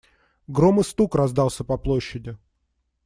Гром и стук раздался по площади.